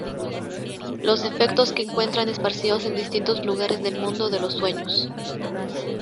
Los efectos que encuentran esparcidos en distintos lugares del mundo de los sueños.